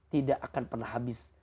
tidak akan pernah habis